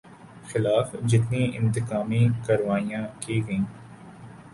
خلاف جتنی انتقامی کارروائیاں کی گئیں